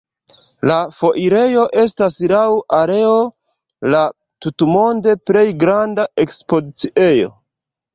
La foirejo estas laŭ areo la tutmonde plej granda ekspoziciejo.